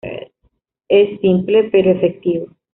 Es simple, pero efectivo".